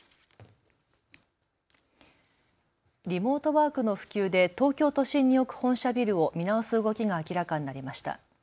リモートワークの普及で東京都心に置く本社ビルを見直す動きが明らかになりました。